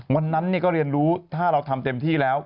วันนั้นก็เรียนรู้ถ้าเราทำเต็มที่แล้ว